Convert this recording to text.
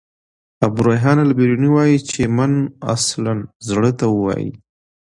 ابو ریحان البروني وايي چي: "من" اصلاً زړه ته وايي.